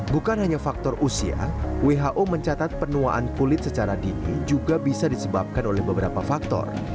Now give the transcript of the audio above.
bukan hanya faktor usia who mencatat penuaan kulit secara dini juga bisa disebabkan oleh beberapa faktor